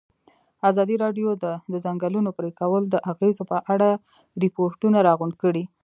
ازادي راډیو د د ځنګلونو پرېکول د اغېزو په اړه ریپوټونه راغونډ کړي.